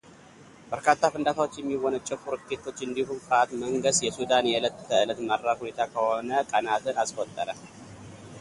በርካታ ፍንዳታዎች የሚወነጨፉ ሮኬቶች እንዲሁም ፍርሃት መንገስ የሱዳን የዕለት ተዕለት መራር ሁኔታ ከሆነ ቀናትን አስቆጠረ።